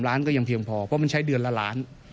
ล้านก็ยังเพียงพอเพราะมันใช้เดือนละล้าน